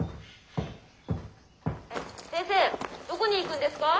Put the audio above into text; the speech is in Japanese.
「えっ先生どこに行くんですかァ？」。